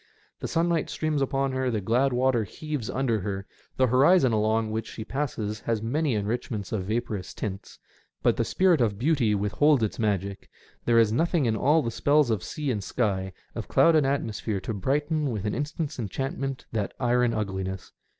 The sunlight streams upon her, the glad water heaves under her, the horizon along which she passes has many enrichments of vaporous tints ; but the spirit of beauty withholds its magic — there is nothing in all the spells of sea and sky, of cloud and atmosphere, to brighten with an instant's enchantment that iron ugliness.